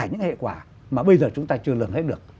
những hệ quả mà bây giờ chúng ta chưa lường hết được